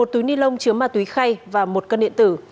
một túi ni lông chứa ma túy khay và một cân điện tử